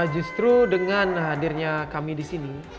justru dengan hadirnya kami di sini